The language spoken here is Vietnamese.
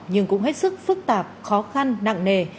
nhưng cũng hết sức phức tạp khó khăn nặng nề